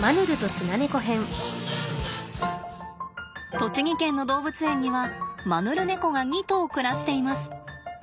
栃木県の動物園にはマヌルネコが２頭暮らしています。